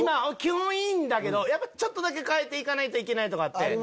基本いいんだけどちょっとだけ変えて行かないといけないとこあって。